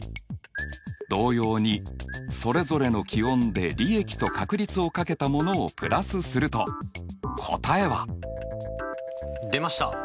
同様にそれぞれの気温で利益と確率を掛けたものをプラスすると答えは？出ました。